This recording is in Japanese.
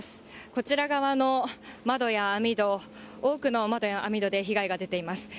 こちら側の窓や網戸、多くの窓や網戸で被害が出ています。